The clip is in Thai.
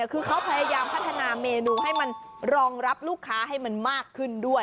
คือเขาพยายามพัฒนาเมนูให้มันรองรับลูกค้าให้มันมากขึ้นด้วย